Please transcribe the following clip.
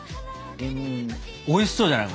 おいしそうじゃない？